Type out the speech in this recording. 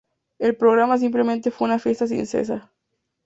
El programa simplemente fue una fiesta sin cesar.